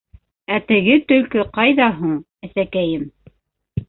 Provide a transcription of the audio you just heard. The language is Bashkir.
Ә теге Төлкө ҡайҙа һуң, әсәкәйем?